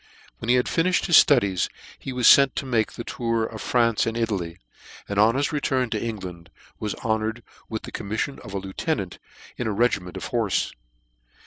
When he hacj finifhed his ftudies he was fent to make the tour of France and Italy, and on his return to England was honoured with the commiffion of a lieute nant in a regiment of horfe.